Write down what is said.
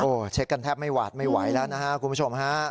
เช็คกันแทบไม่หวาดไม่ไหวแล้วนะฮะคุณผู้ชมฮะ